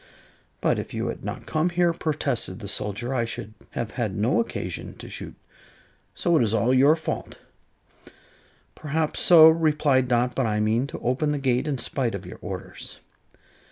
"But if you had not come here," protested the soldier, "I should have had no occasion to shoot. So it is all your fault." "Perhaps so," replied Dot; "but I mean to open the gate in spite of your orders."